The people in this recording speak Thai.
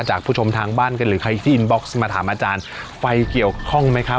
ผู้ชมทางบ้านกันหรือใครที่อินบ็อกซ์มาถามอาจารย์ไฟเกี่ยวข้องไหมครับ